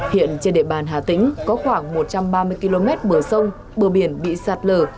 hiện trên địa bàn hà tĩnh có khoảng một trăm ba mươi km bờ sông bờ biển bị sạt lở